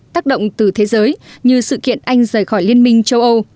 tác động từ thế giới như sự kiện anh rời khỏi liên minh châu âu